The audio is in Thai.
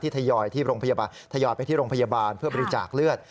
ที่ทยอยไปที่โรงพยาบาลเพื่อบริจาคเลือด